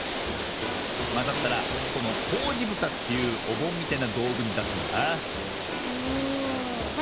まざったらこの「こうじぶた」というおぼんみたいなどうぐにだすんだは